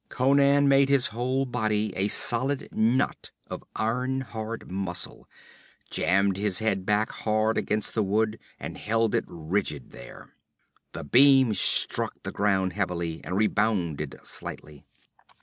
Conan made his whole body a solid knot of iron hard muscle, jammed his head back hard against the wood and held it rigid there. The beam struck the ground heavily and rebounded slightly.